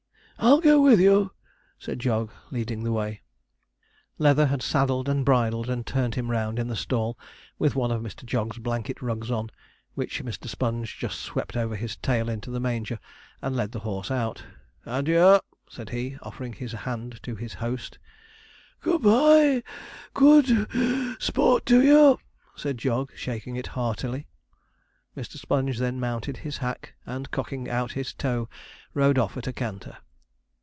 'I'll go with you,' said Jog, leading the way. Leather had saddled, and bridled, and turned him round in the stall, with one of Mr. Jog's blanket rugs on, which Mr. Sponge just swept over his tail into the manger, and led the horse out. 'Adieu!' said he, offering his hand to his host. 'Good bye! good (puff) sport to you,' said Jog, shaking it heartily. Mr. Sponge then mounted his hack, and cocking out his toe, rode off at a canter.